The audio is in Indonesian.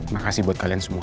makasih buat kalian semua